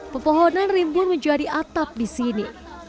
pepohonan rimbun menjadi atap di sini